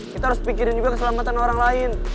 kita harus pikirin juga keselamatan orang lain